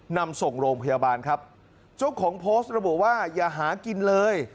นำส่งโรงพยาบาลครับเจ้าของโพสต์ระบุว่าอย่าหากินเลย